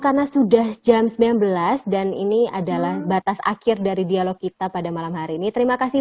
karena sudah jam sembilan belas dan ini adalah batas akhir dari dialog kita pada malam hari ini terima kasih